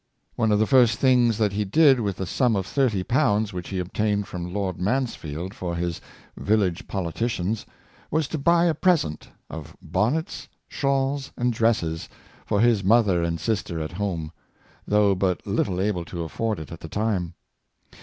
One of the first things that he did with the sum of thirty pounds which he obtained from Lord Mansfield for his '' Village Politicians," was to buy a present — of bonnets, shawls, and dresses — for his mother and sister at home; though but little able tq afford it at the time.